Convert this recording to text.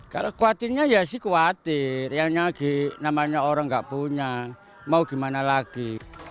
kalau kuatinya ya sih kuatir yang nyagik namanya orang nggak punya mau gimana lagi